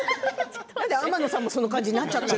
天野さんもそういう感じになっちゃったの？